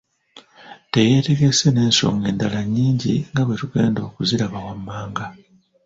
Teyeetegese n’ensonga endala nnyingi nga bwetugenda okuziraba wammanaga.